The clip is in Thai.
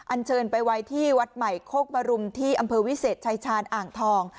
เชิญไปไว้ที่วัดใหม่โคกบรุมที่อำเภอวิเศษชายชาญอ่างทอง